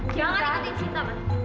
jangan ikutin sinta